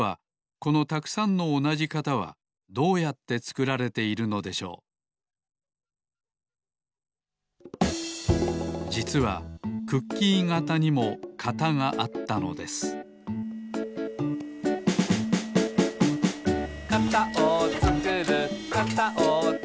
このたくさんのおなじ型はどうやってつくられているのでしょうじつはクッキー型にも型があったのですヘムヘムヘムヘムヘムヘムヘムヘム。